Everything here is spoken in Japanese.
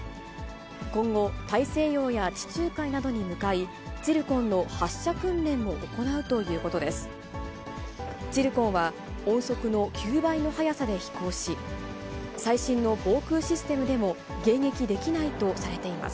今後、大西洋や地中海などに向かい、ツィルコンの発射訓練も行うということです。